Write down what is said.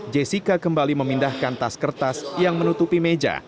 jessica kembali memindahkan tas kertas yang menutupi meja